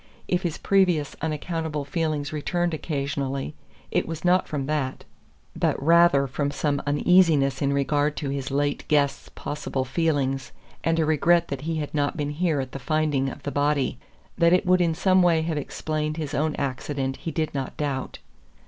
If his previous unaccountable feelings returned occasionally, it was not from that; but rather from some uneasiness in regard to his late guest's possible feelings, and a regret that he had not been here at the finding of the body. That it would in some way have explained his own accident he did not doubt.